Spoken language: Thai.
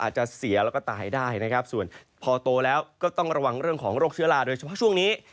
อาจจะเสียแล้วก็ตายได้นะครับส่วนพอโตแล้วก็ต้องระวังเรื่องของโรคเชื้อลาโดยเฉพาะช่วงนี้